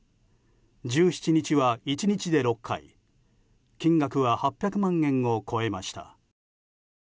１７日は１日で６回金額は８００万円を超えました。